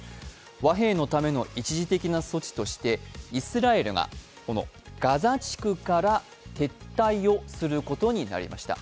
和平のための一時的な措置としてイスラエルがガザ地区から撤退をすることになりました。